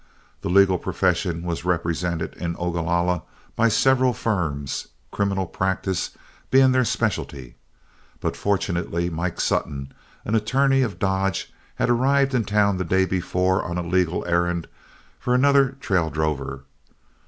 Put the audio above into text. The legal profession was represented in Ogalalla by several firms, criminal practice being their specialty; but fortunately Mike Sutton, an attorney of Dodge, had arrived in town the day before on a legal errand for another trail drover.